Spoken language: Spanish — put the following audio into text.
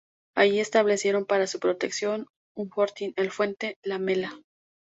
Allí establecieron, para su protección, un fortín, el Fuerte La Mela.